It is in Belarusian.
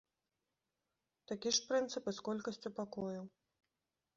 Такі ж прынцып і з колькасцю пакояў.